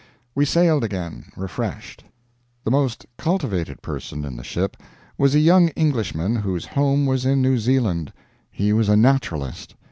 We sailed again, refreshed. The most cultivated person in the ship was a young Englishman whose home was in New Zealand. He was a naturalist.